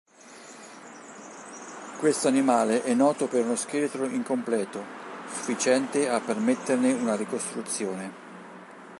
Questo animale è noto per uno scheletro incompleto, sufficiente a permetterne una ricostruzione.